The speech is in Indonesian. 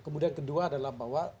kemudian kedua adalah bahwa